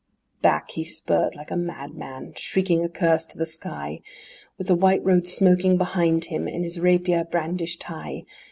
IX Back, he spurred like a madman, shrieking a curse to the sky, With the white road smoking behind him and his rapier brandished high!